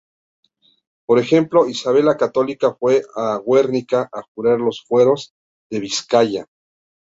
Por ejemplo, Isabel la Católica fue a Guernica a jurar los fueros de Vizcaya.